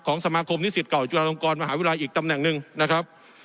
สมาคมนิสิตเก่าจุฬาลงกรมหาวิทยาลัยอีกตำแหน่งหนึ่งนะครับ